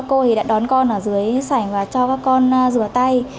các cô đã đón con ở dưới sảnh và cho các con rửa tay